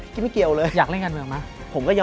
กินไม่เกี่ยวเลย